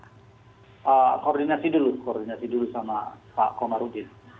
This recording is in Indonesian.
koordinasi dulu koordinasi dulu sama pak komarudin